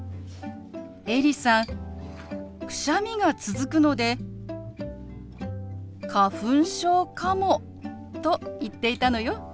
エリさんくしゃみが続くので「花粉症かも」と言っていたのよ。